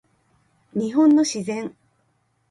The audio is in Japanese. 日本の自然